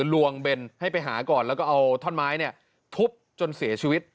ลวงเบนให้ไปหาก่อนแล้วก็เอาท่อนไม้เนี่ยทุบจนเสียชีวิต